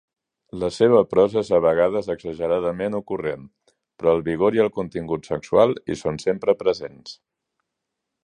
La seva prosa és a vegades exageradament ocurrent, però el vigor i el contingut sexual hi són sempre presents.